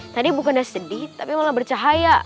tadi bukannya sedih tapi malah bercahaya